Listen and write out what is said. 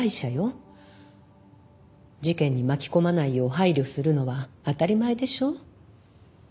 事件に巻き込まないよう配慮するのは当たり前でしょ。